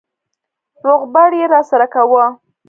روغبړ يې راسره کاوه.